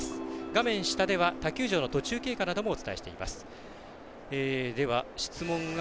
画面下では他球場の途中経過などお伝えしています。